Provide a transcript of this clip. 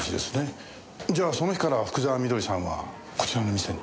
じゃあその日から福沢美登里さんはこちらの店に。